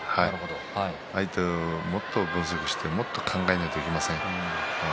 相手をもって分析してもっと考えなければいけません。